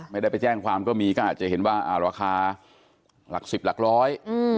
ไม่ได้ไปแจ้งความก็มีก็อาจจะเห็นว่าอ่าราคาหลักสิบหลักร้อย